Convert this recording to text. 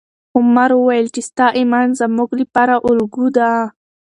عمر وویل چې ستا ایمان زموږ لپاره الګو ده.